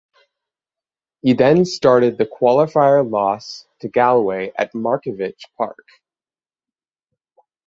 He then started the qualifier loss to Galway at Markievicz Park.